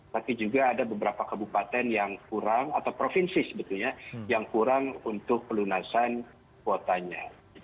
tapi juga ada beberapa kabupaten yang kurang atau provinsi sebetulnya yang kurang untuk pelunasan kuotanya